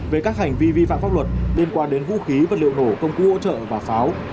về các hành vi vi phạm pháp luật liên quan đến vũ khí vật liệu nổ công cụ hỗ trợ và pháo